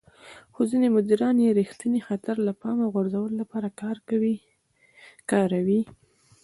خو ځينې مديران يې د رېښتيني خطر له پامه غورځولو لپاره کاروي.